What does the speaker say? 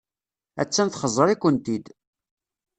Attan txeẓẓer-ikent-id.